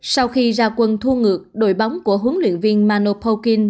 sau khi ra quân thua ngược đội bóng của huấn luyện viên mano polkin